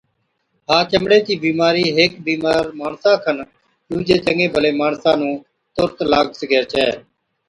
ها چمڙي چِي بِيمارِي هيڪي بِيمار ماڻسا کن ڏُوجي چڱي ڀلي ماڻسا نُون تُرت لاگ سِگھَي ڇَي